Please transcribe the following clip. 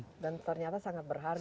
dan ternyata sangat berharga